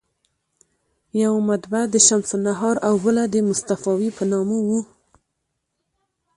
یوه مطبعه د شمس النهار او بله مصطفاوي په نامه وه.